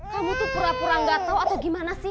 kamu tuh pura pura gak tau atau gimana sih